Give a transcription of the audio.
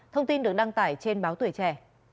thông tin được đăng tải trên báo tuổi trẻ